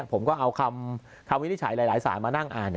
ผมก็เอาคำวินิจฉัยหลายสารมานั่งอ่าน